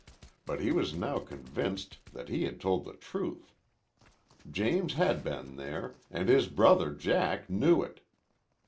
But he was now convinced that he had told the truth. James had been there, and his brother Jack knew it.